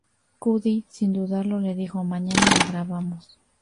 Cudi, sin dudarlo, le dijo: "mañana la grabamos".